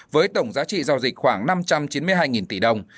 với tổng giá trị giao dịch khoảng năm trăm chín mươi hai tỷ đồng